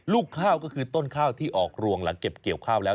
ลูกข้าวก็คือต้นข้าวที่ออกรวงหลังเก็บเกี่ยวข้าวแล้ว